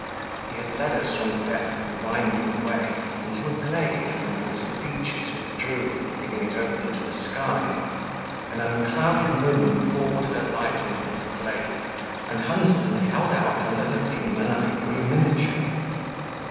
He had led us from the depth of the "winding way" into a glade from whence the beeches withdrew, leaving it open to the sky; an unclouded moon poured her light into this glade, and Hunsden held out under her beam an ivory miniature.